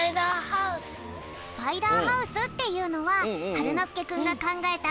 スパイダーハウスっていうのははるのすけくんがかんがえた